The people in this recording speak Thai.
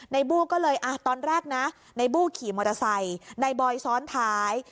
บู้ก็เลยอ่ะตอนแรกนะในบู้ขี่มอเตอร์ไซค์นายบอยซ้อนท้าย